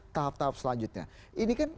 tahap tahap selanjutnya ini kan